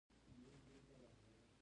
غول د انرژۍ ګټور مصرف دی.